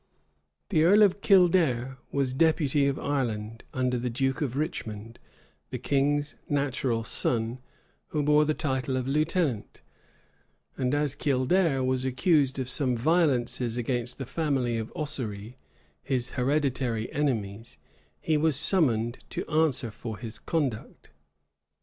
The earl of Kildare was deputy of Ireland, under the duke of Richmond, the king's natural son, who bore the title of lieutenant; and as Kildare was accused of some violences against the family of Ossory, his hereditary enemies, he was summoned to answer for his conduct.